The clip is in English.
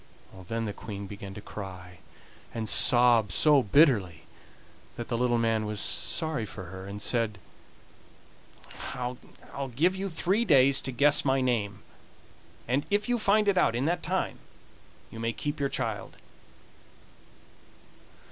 Then the Queen began to cry and sob so bitterly that the little man was sorry for her, and said: "I'll give you three days to guess my name, and if you find it out in that time you may keep your child."